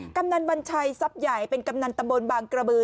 กำนันวัญชัยทรัพย์ใหญ่เป็นกำนันตำบลบางกระบือ